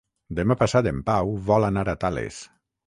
Demà passat en Pau vol anar a Tales.